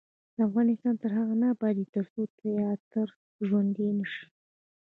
افغانستان تر هغو نه ابادیږي، ترڅو تیاتر ژوندی نشي.